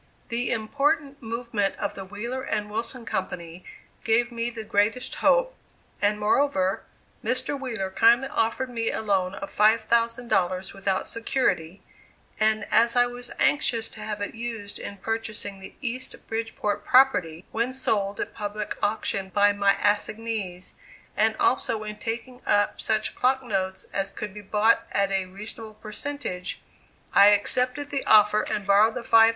This important movement of the Wheeler and Wilson Company gave me the greatest hope, and moreover, Mr. Wheeler kindly offered me a loan of $5,000, without security, and as I was anxious to have it used in purchasing the East Bridgeport property, when sold at public auction by my assignees, and also in taking up such clock notes as could be bought at a reasonable percentage, I accepted the offer and borrowed the $5,000.